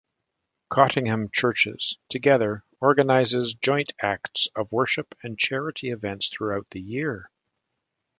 Cottingham Churches Together organises joint acts of worship and charity events throughout the year.